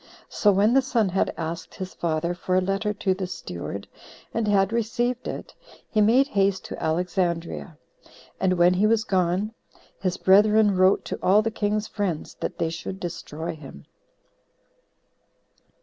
So when the son had asked his father for a letter to the steward, and had received it, he made haste to Alexandria. And when he was gone, his brethren wrote to all the king's friends, that they should destroy him.